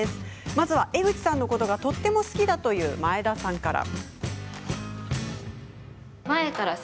まずは江口さんのことがとっても好きだという前田さんから。